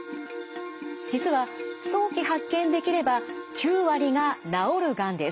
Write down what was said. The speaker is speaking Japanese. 実は早期発見できれば９割が治るがんです。